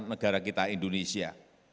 negara kita indonesia